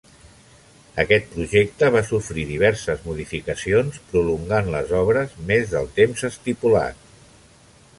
Aquest projecte va sofrir diverses modificacions, prolongant les obres més del temps estipulat.